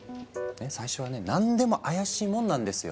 最初はね何でも怪しいもんなんですよ。